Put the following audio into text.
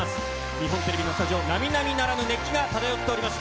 日本テレビのスタジオ、並々ならぬ熱気が漂っております。